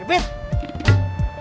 tidak itu tidak baik